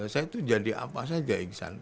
saya itu jadi apa saja iksan